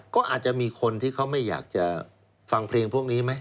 ก็อาจจะมีคนที่เขาไม่อยากจะฟังเพลงพวกนี้ไหม